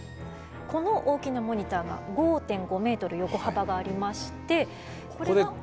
この大きなモニターが５．５メートル横幅がありましてこれが。